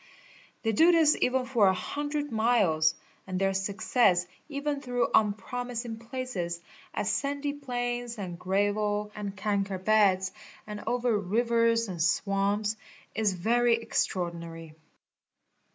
They do this even for a hundred miles, and their — success, even through unpromising places, as sandy plains and gravel and kankar beds, and over rivers and swamps, is very extraordinary.